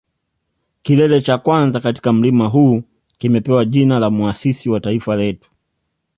Kilele cha kwanza katika mlima huu kimepewa jina la muasisi wa taifa letu